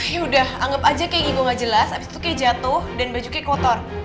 yaudah anggap aja kay ngigau gak jelas abis itu kay jatuh dan baju kay kotor